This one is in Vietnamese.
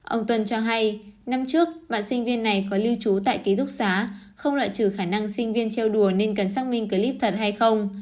ông tuân cho hay năm trước bạn sinh viên này có lưu trú tại ký thúc xá không loại trừ khả năng sinh viên trêu đùa nên cần xác minh clip thật hay không